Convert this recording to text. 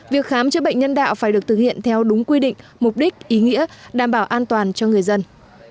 việc khám chữa bệnh nhân đạo phải được thực hiện theo đúng quy định mục đích ý nghĩa đảm bảo an toàn cho người dân